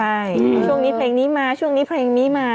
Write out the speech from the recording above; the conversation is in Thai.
ใช่ช่วงนี้เพลงนี้มาช่วงนี้เพลงนี้มา